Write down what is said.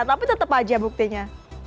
tapi tetap aja buktinya